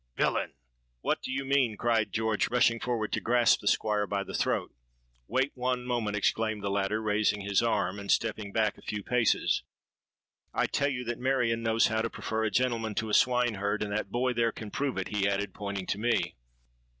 '—'Villain! what do you mean?' cried George, rushing forward to grasp the Squire by the throat.—'Wait one moment!' exclaimed the latter, raising his arm and stepping back a few paces. 'I tell you that Marion knows how to prefer a gentleman to a swineherd; and that boy there can prove it,' he added, pointing to me.